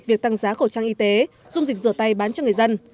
việc tăng giá khẩu trang y tế dung dịch rửa tay bán cho người dân